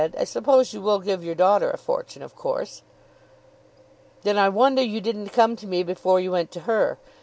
"I suppose you will give your daughter a fortune, of course." "Then I wonder you didn't come to me before you went to her.